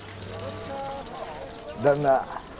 旦那。